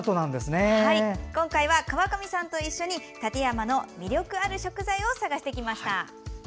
今回は、川上さんと一緒に館山の魅力ある食材を探してきました。